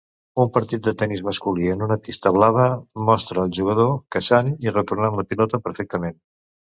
Un partit de tenis masculí en una pista blava; mostra el jugador caçant i retornant la pilota perfectament.